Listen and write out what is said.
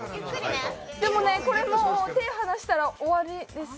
でもね、これ、手離したら終わりです。